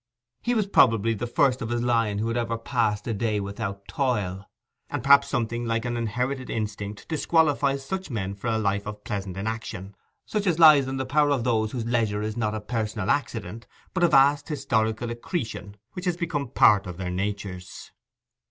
He was probably the first of his line who had ever passed a day without toil, and perhaps something like an inherited instinct disqualifies such men for a life of pleasant inaction, such as lies in the power of those whose leisure is not a personal accident, but a vast historical accretion which has become part of their natures.